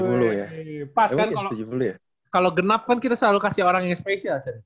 pas kan kalau genap kan kita selalu kasih orang yang spesial